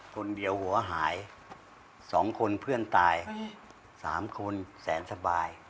คนเดียวหัวหายสองคนเพื่อนตายสามคนแสนสบาย